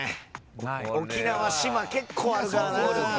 沖縄島結構あるからな。